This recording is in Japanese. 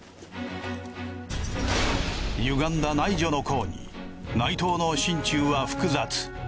ゆがんだ内助の功に内藤の心中は複雑。